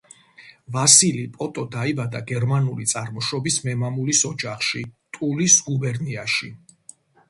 ვასილი პოტო დაიბადა გერმანული წარმოშობის მემამულის ოჯახში ტულის გუბერნიაში.